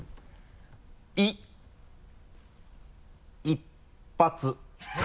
一発。